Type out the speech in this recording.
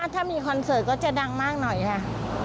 ถ้ามีคอนเสิร์ตก็จะดังมากหน่อยค่ะ